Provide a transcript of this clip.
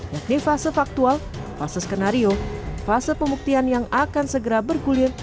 yakni fase faktual fase skenario fase pembuktian yang akan segera bergulir